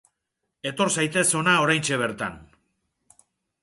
Etor zaitez hona oraintxe bertan!